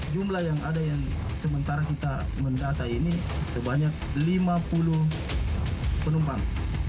jumlah yang ada yang sementara kita mendata ini sebanyak lima puluh penumpang